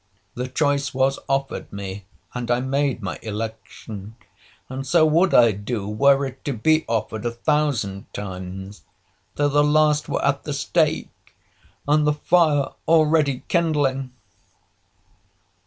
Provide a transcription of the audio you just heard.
The choice was offered me, and I made my election,—and so would I do were it to be offered a thousand times, though the last were at the stake, and the fire already kindling.'